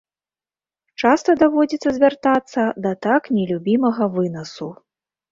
Часта даводзіцца звяртацца да так нелюбімага вынасу.